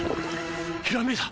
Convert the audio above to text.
ひらめいた！